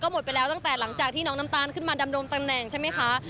หมดไปแล้วตั้งแต่หลังจากที่น้องน้ำตาลขึ้นมาดำรงตำแหน่งใช่ไหมคะ